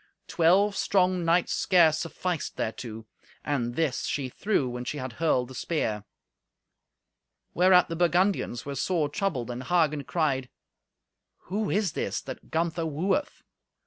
Twelve strong knights scarce sufficed thereto. And this she threw when she had hurled the spear. Whereat the Burgundians were sore troubled, and Hagen cried, "Who is this that Gunther wooeth?